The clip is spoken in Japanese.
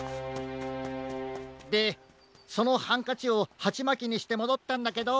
でそのハンカチをハチマキにしてもどったんだけど。